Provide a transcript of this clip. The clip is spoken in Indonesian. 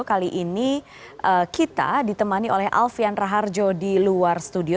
kali ini kita ditemani oleh alfian raharjo di luar studio